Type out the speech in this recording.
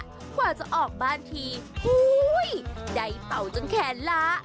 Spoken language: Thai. ขวาจะออกบ้านที่โอ้วได้เป่าจนแขนละ